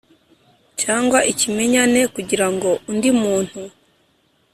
Cyangwa ikimenyane kugira ngo undi muntu